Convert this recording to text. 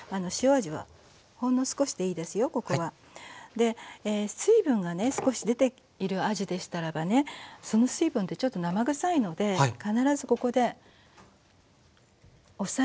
で水分がね少し出ているあじでしたらばその水分ってちょっと生ぐさいので必ずここで押さえてね水分を取って下さい。